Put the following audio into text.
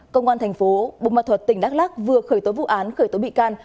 công an thành phố bùng mạc thuật tỉnh đắk lắc vừa khởi tối vụ án khởi tối bị can